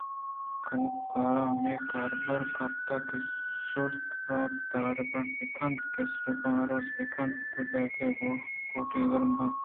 کمکاراں ہمے کاربہر ءَ کپت کہ زُوت برواَنت ءُدار بڈّءَ بہ کن اَنت ءُاسٹوپ ءَ آس روک بہ کن اَنت تاکہ کوٹی گرم بہ بیت